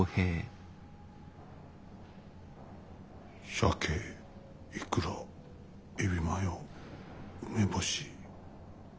鮭いくらエビマヨ梅干し。